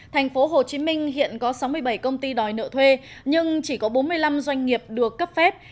tp hcm hiện có sáu mươi bảy công ty đòi nợ thuê nhưng chỉ có bốn mươi năm doanh nghiệp được cấp phép